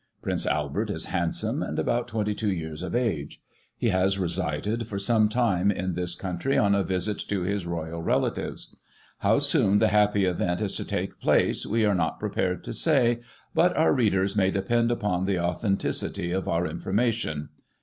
Prince Albert is handsome, and about 22 years of age. He has resided, for some time, in this country, on a visit to his Royal relatives. How soon the happy event is to take place, we are not prepared to say, but our readers may depend upon the authenticity of our information.'